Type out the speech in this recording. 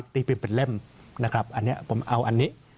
ตีย์ปริมเป็นเล่มผมเอาอันนี้